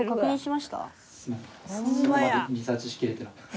そこまでリサーチしきれてなかった。